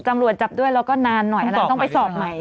ตำรวจจับด้วยแล้วก็นานหน่อยอันนั้นต้องไปสอบใหม่